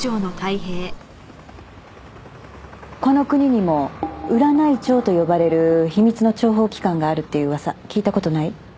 この国にも「ウラ内調」と呼ばれる秘密の諜報機関があるっていう噂聞いた事ない？